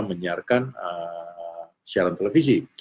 menyiarkan siaran televisi